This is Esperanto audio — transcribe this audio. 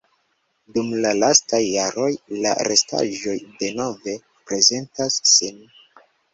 Dum la lastaj jaroj la restaĵoj denove prezentas sin.